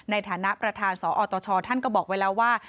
ในฐานะประธานสอตชท่านก็บอกไว้แล้วว่า